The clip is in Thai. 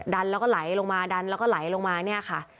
ดันแล้วก็ไหลลงมาดันแล้วก็ไหลลงมาเนี่ยค่ะ